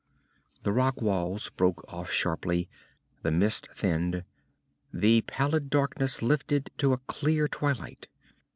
The rock walls broke off sharply. The mist thinned. The pallid darkness lifted to a clear twilight.